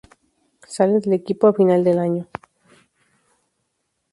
Sale del equipo a final de año.